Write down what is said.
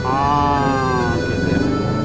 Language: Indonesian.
oh gitu ya